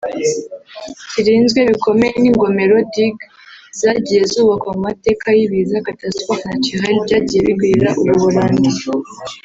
kirinzwe bikomeye n’ingomero (Digues) zagiye zubakwa mu mateka y’ibiza (catastrophes naturelles) byagiye bigwirira u Buholande